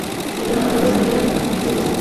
ওটা আবারো দাঁড়িয়ে গেছে।